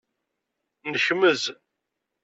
Nekmez.